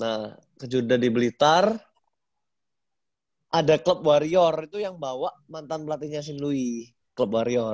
ya nah kejurda di blitar ada klub warrior itu yang bawa mantan pelatihnya sinlui klub warrior